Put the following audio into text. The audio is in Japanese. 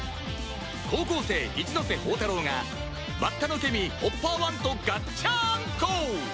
高校生一ノ瀬宝太郎がバッタのケミーホッパー１とガッチャンコ！